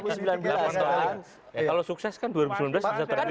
kalau sukses kan dua ribu sembilan belas bisa terjadi